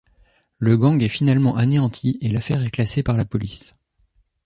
Le gang est finalement anéanti et l'affaire est classée par la police.